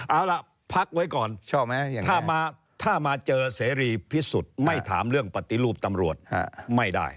เอาล่ะพักไว้ก่อนถ้ามาเจอเสรีพิสุทธิ์ไม่ถามเรื่องปฏิรูปตำรวจไม่ได้